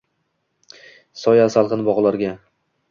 Soya-salqin bog’larga..